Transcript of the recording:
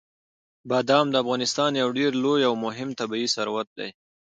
بادام د افغانستان یو ډېر لوی او مهم طبعي ثروت دی.